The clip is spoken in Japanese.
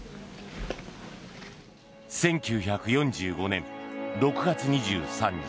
１９４５年６月２３日。